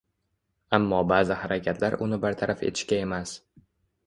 Ammo ba’zi harakatlar uni bartaraf etishga emas